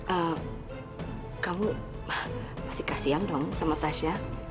ehm kamu masih kasihan dong sama tasya